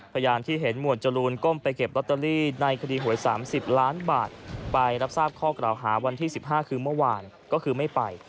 พยานที่เห็นหมวดจรูนก้มไปเก็บลอตเตอรี่ในคดีหวย๓๐ล้านบาทไปรับทราบข้อกล่าวหาวันที่๑๕คือเมื่อวานก็คือไม่ไป